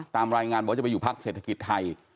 ตามรายงานบอกว่าจะไปอยู่พักเศรษฐกิจไทย